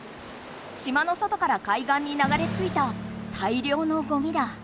島の外から海岸に流れついたたいりょうのゴミだ。